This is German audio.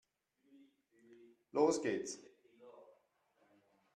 Los geht's!